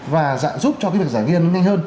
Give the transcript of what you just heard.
và giúp cho cái việc giải nghiên nhanh hơn